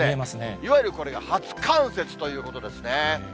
いわゆるこれが初冠雪ということですね。